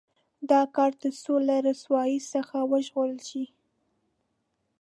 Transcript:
دا کار تر څو له رسوایۍ څخه وژغورل شي.